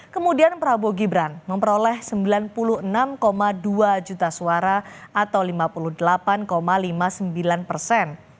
kemudian prabowo gibran memperoleh sembilan puluh enam dua juta suara atau lima puluh delapan lima puluh sembilan persen